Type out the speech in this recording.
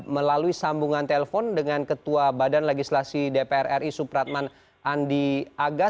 melalui sambungan telepon dengan ketua badan legislasi dpr ri supratman andi agas